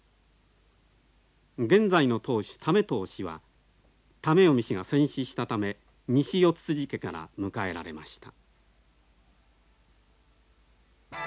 現在の当主為任氏は為臣氏が戦死したため西四家から迎えられました。